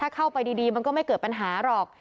ก็ไม่เกิดปัญหาหรอก